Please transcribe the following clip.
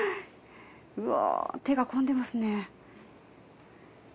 うわぁ手が込んでますね。